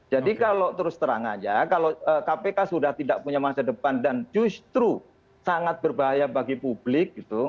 jadi kalau terus terang aja kalau kpk sudah tidak punya masa depan dan justru sangat berbahaya bagi publik